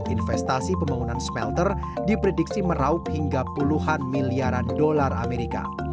investasi pembangunan smelter diprediksi meraup hingga puluhan miliaran dolar amerika